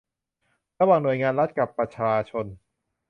ระหว่างหน่วยงานรัฐกับประชาชน